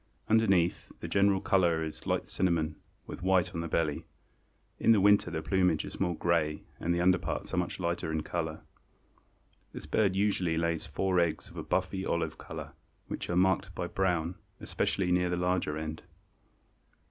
Underneath, the general color is light cinnamon, with white on the belly. In the winter the plumage is more gray and the under parts are much lighter in color. This bird usually lays four eggs of a buffy olive color, which are marked by brown, especially near the larger end.